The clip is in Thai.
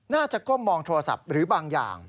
ก้มมองโทรศัพท์หรือบางอย่าง